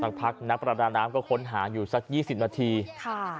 พักนักประดาน้ำก็ค้นหาอยู่สักยี่สิบนาทีค่ะ